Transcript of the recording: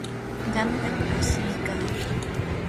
qamtam ashiykaa.